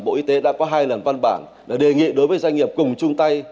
bộ y tế đã có hai lần văn bản đề nghị đối với doanh nghiệp cùng chung tay